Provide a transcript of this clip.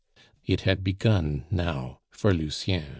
It had begun now for Lucien.